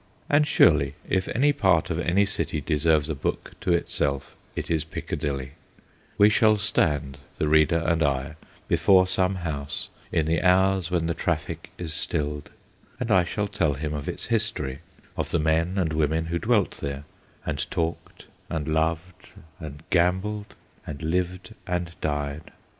And surely, if any part of any city deserves a book to itself, it is Piccadilly We shall stand, the reader and I, before some house in the hours when the traffic is stilled, and I shall tell him of its history, of the men and women who dwelt there, and talked and loved and gambled and lived and died.